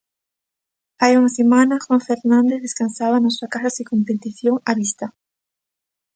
Hai unha semana, Juan Fernández descansaba na súa casa sen competición á vista.